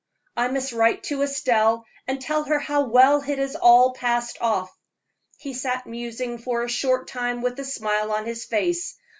I must write to Estelle and tell her how well it has all passed off." He sat musing for a short time with a smile on his face.